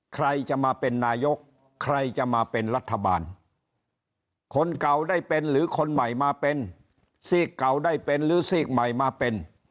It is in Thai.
ใครจะมาเป็นนายกใครจะมาเป็นรัฐบาลคนเก่าได้เป็นหรือคนใหม่มาเป็นซีกเก่าได้เป็นหรือซีกใหม่มาเป็น